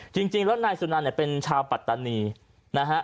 จริงแล้วนายสุนันเนี่ยเป็นชาวปัตตานีนะฮะ